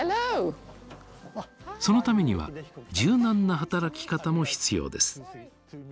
そのためには柔軟な働き方も必要です。